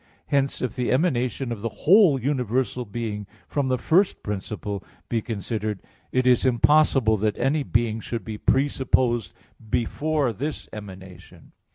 Hence if the emanation of the whole universal being from the first principle be considered, it is impossible that any being should be presupposed before this emanation.